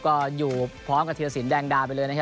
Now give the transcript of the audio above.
ก็อยู่พร้อมกับเทียรสินแดงดาไปเลยนะครับ